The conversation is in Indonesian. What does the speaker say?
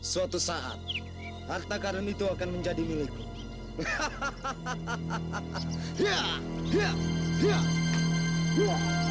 suatu saat harta karun itu akan menjadi milikku